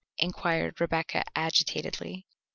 inquired Rebecca agitatedly.